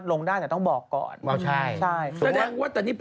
ต้องค่อยขึ้นรถอย่างนี้